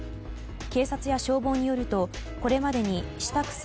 警察や消防によるとこれまでに下草